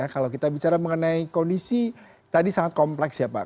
kalau kita bicara mengenai kondisi tadi sangat kompleks ya pak